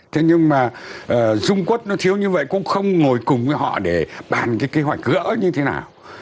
thế nhưng mà dung quất nó thiếu như vậy cũng không ngồi cùng với họ để bàn cái kế hoạch gỡ như thế nào